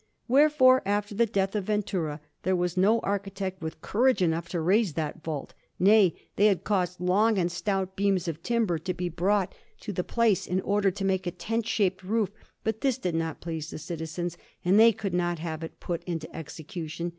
Wherefore, after the death of Ventura, there was no architect with courage enough to raise that vault: nay, they had caused long and stout beams of timber to be brought to the place, in order to make a tent shaped roof; but this did not please the citizens, and they would not have it put into execution.